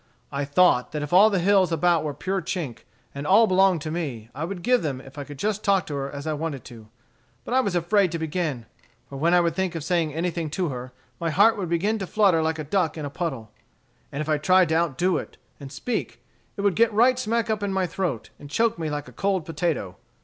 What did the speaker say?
I thought that if all the hills about there were pure chink, and all belonged to me, I would give them if I could just talk to her as I wanted to. But I was afraid to begin; for when I would think of saying anything to her, my heart would begin to flutter like a duck in a puddle. And if I tried to outdo it and speak, it would get right smack up in my throat, and choke me like a cold potato.